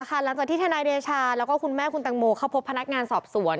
หลังจากที่ทนายเดชาแล้วก็คุณแม่คุณตังโมเข้าพบพนักงานสอบสวน